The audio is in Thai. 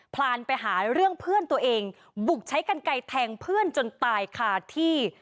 พลานไปหาเรื่องเพื่อนตัวเองบุกใช้กันไกลแทงเพื่อนจนตายคาที่